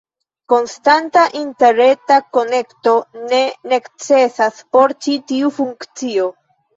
Konstanta interreta konekto ne necesas por ĉi tiu funkcio.